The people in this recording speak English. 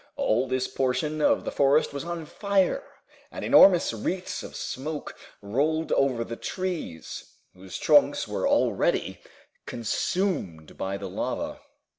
All this portion of the forest was on fire, and enormous wreaths of smoke rolled over the trees, whose trunks were already consumed by the lava.